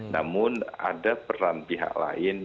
namun ada peran pihak lain